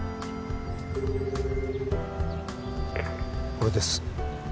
俺です。